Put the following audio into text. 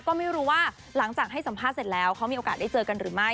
ก็ไม่รู้ว่าหลังจากให้สัมภาษณ์เสร็จแล้วเขามีโอกาสได้เจอกันหรือไม่